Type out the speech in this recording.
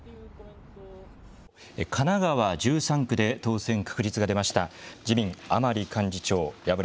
神奈川１３区で当選確実が出ました。